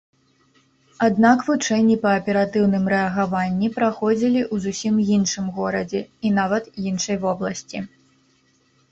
Аднак вучэнні па аператыўным рэагаванні праходзілі ў зусім іншым горадзе, і нават іншай вобласці.